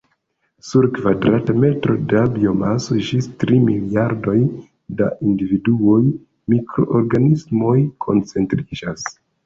Sur kvadrata metro da biomaso ĝis tri miliardoj da individuaj mikroorganismoj koncentriĝas.